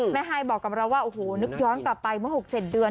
ไฮบอกกับเราว่าโอ้โหนึกย้อนกลับไปเมื่อ๖๗เดือน